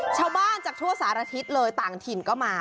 ชาวบ้านจากทั่วสารทิศเลยต่างถิ่นก็มา